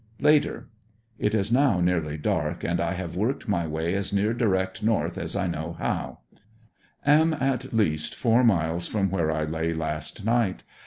Later. — It is now nearly dark and I have worked my way as near direct north as I know how Am at least four miles from where I lay last night.